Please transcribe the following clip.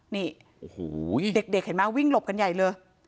นี่โอ้โหเด็กเห็นไหมวิ่งหลบกันใหญ่เลย